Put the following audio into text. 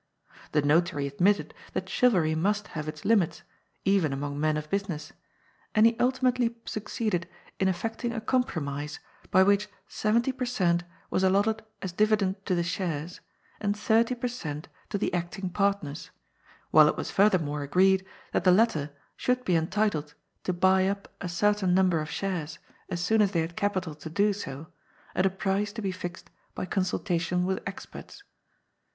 The notary admitted that chivalry must have its limits, even among men of business, and he ultimately succeeded in effecting a compromise by which seventy per cent was allotted as dividend to the shares and thirty per cent, to the acting partners, while it was furthermore agreed that the latter should be entitled to buy up a certain number of shares, as soon as they had capital to do so, at a price to be fixed by consultation with experts.